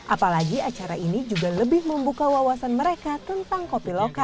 apalagi acara ini juga lebih membuka wawasan mereka tentang kopi lokal